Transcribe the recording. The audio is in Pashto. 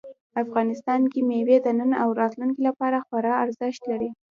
افغانستان کې مېوې د نن او راتلونکي لپاره خورا ارزښت لري.